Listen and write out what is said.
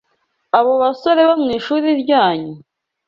Abo basore bo mwishuri ryanyu?